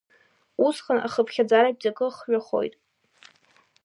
Усҟан ахыԥхьаӡаратә ҵакы хҩахоит…